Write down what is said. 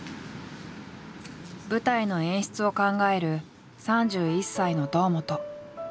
舞台の演出を考える３１歳の堂本。